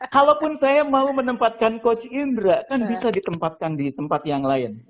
kalaupun saya mau menempatkan coach indra kan bisa ditempatkan di tempat yang lain